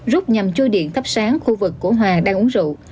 rút nhằm chui điện thắp sáng khu vực của hòa đang uống rượu